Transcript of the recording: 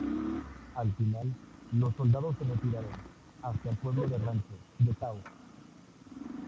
Al final, los soldados se retiraron hacia el pueblo de Ranchos de Taos.